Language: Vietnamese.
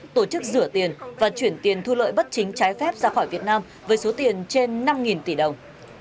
tổ chức rửa tiền và chuyển tiền thu lợi bất chính trái phép ra khỏi việt nam với số tiền trên năm tỷ đồng